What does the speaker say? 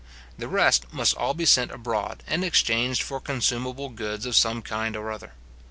The rest must all be sent abroad, and exchanged for consumable goods of some kind or other.